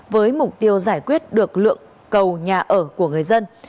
với mục tiêu giải quyết được lượng cầu nhà ở của người dân